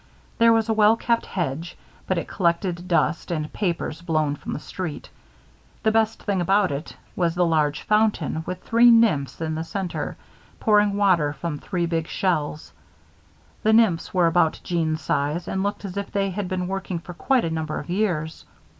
There was a well kept hedge, but it collected dust and papers blown from the street. The best thing about it was the large fountain, with three nymphs in the center, pouring water from three big shells. The nymphs were about Jeanne's size and looked as if they had been working for quite a number of years.